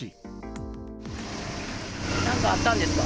何かあったんですか。